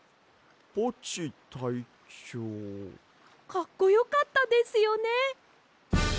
かっこよかったですよね！